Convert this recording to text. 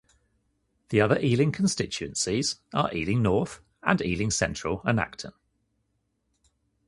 The other Ealing constituencies are Ealing North, and Ealing Central and Acton.